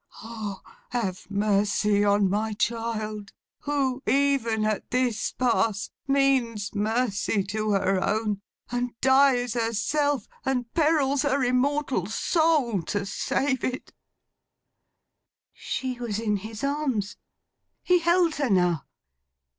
O, have mercy on my child, who, even at this pass, means mercy to her own, and dies herself, and perils her immortal soul, to save it!' She was in his arms. He held her now.